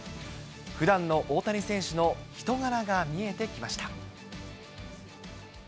ふだんの大谷選手の人柄が見えてきました。